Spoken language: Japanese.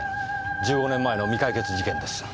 １５年前の未解決事件です。